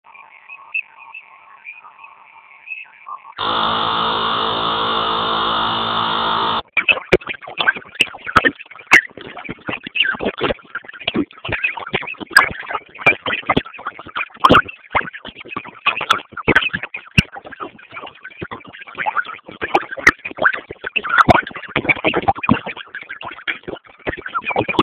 Jatereréta ko ka'aru.